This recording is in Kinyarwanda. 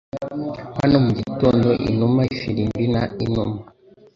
Hano mugitondo inuma ifirimbi na inuma.